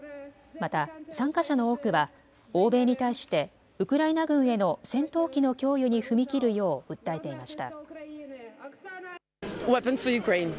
また参加者の多くは欧米に対してウクライナ軍への戦闘機の供与に踏み切るよう訴えていました。